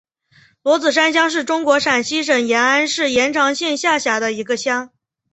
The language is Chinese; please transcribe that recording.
罗子山乡是中国陕西省延安市延长县下辖的一个乡。